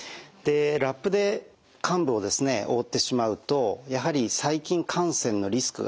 ラップで患部を覆ってしまうとやはり細菌感染のリスクがですね